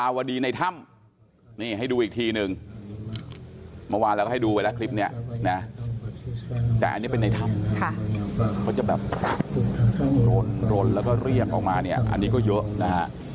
อันนี้ก็เยอะนะฮะ